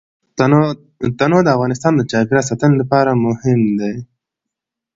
تنوع د افغانستان د چاپیریال ساتنې لپاره مهم دي.